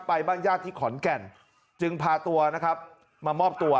บ้านญาติที่ขอนแก่นจึงพาตัวนะครับมามอบตัว